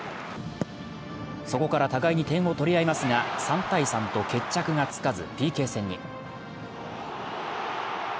そこから互いに点を取り合いますが、３−３と決着がつかず、ＰＫ戦に。